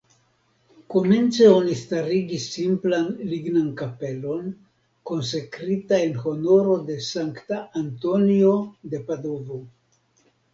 Komence oni starigis simplan lignan kapelon konsekrita en honoro de Sankta Antonio de Padovo.